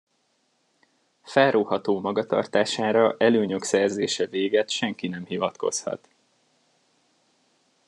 Felróható magatartására előnyök szerzése végett senki nem hivatkozhat.